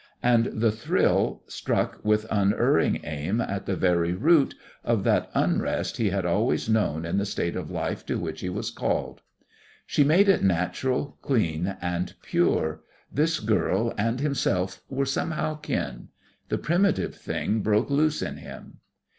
And the thrill struck with unerring aim at the very root of that unrest he had always known in the state of life to which he was called. She made it natural, clean, and pure. This girl and himself were somehow kin. The primitive thing broke loose in him.